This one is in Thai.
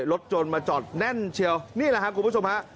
รถยนต์มาจอดแน่นเชียวนี่แหละครับคุณผู้ชมฮะ